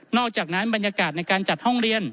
อกจากนั้นบรรยากาศในการจัดห้องเรียน